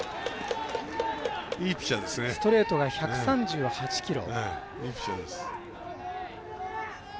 ストレートが１３８キロ。